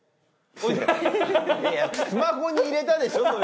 いやスマホに入れたでしょ？